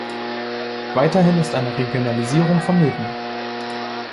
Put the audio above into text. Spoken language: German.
Weiterhin ist eine Regionalisierung vonnöten.